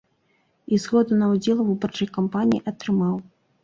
І згоду на ўдзел у выбарчай кампаніі атрымаў.